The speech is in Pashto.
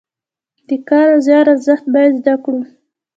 د کار او زیار ارزښت باید زده کړو.